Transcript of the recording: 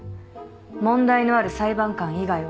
問題のある裁判官以外は。